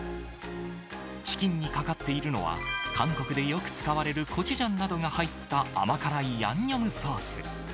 チキンにかかっているのは、韓国でよく使われるコチュジャンなどが入った甘辛いヤンニョムソース。